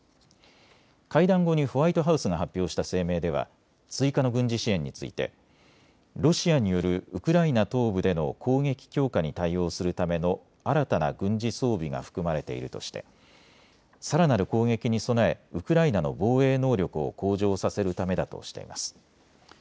会談後にホワイトハウスが発表した声明では追加の軍事支援についてロシアによるウクライナ東部での攻撃強化に対応するための新たな軍事装備が含まれているとしてさらなる攻撃に備えウクライナの防衛能力を向上させるためだとしています。